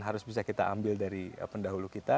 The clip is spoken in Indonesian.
harus bisa kita ambil dari pendahulu kita